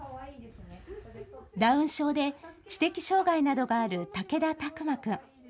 ダウン症で知的障害などがある武田巧眞君。